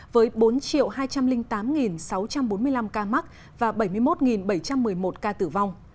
với bốn hai trăm linh tám sáu trăm bốn mươi năm ca mắc và bảy mươi một bảy trăm một mươi một ca tử vong